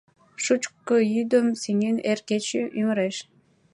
Шучко йӱдым сеҥен эр кече ӱмыреш.